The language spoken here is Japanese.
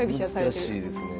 難しいですね。